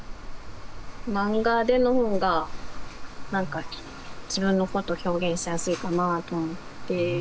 漫画での方が何か自分のこと表現しやすいかなと思って。